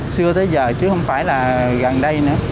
xưa tới giờ chứ không phải là gần đây nữa